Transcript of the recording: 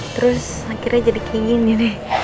terus akhirnya jadi kayak gini nih